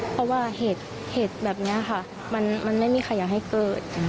เพราะว่าเหตุแบบนี้ค่ะมันไม่มีใครอยากให้เกิด